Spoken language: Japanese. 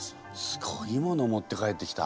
すごいもの持って帰ってきた。